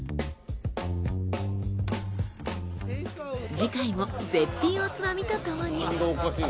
次回も絶品おつまみと共に。